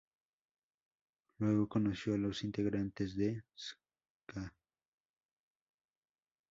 Luego conoció a los integrantes de Ska-p.